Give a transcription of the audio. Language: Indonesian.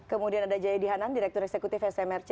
kemudian ada jayadi hanan direktur eksekutif smrc